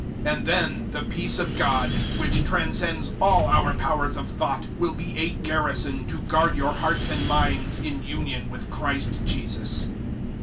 004:007 And then the peace of God, which transcends all our powers of thought, will be a garrison to guard your hearts and minds in union with Christ Jesus.